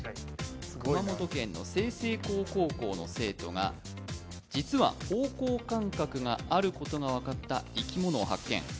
熊本県の済々黌高校の生徒が、実は方向感覚があることが分かった生き物を発見。